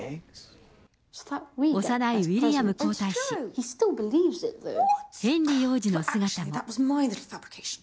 幼いウィリアム皇太子、ヘンリー王子の姿も。